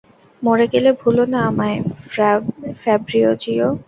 মরে গেলে ভুলো না আমায়, ফ্যাব্রিজিও।